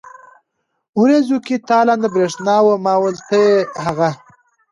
ورېځو کې تالنده برېښنا وه، ما وېل ته يې هغه.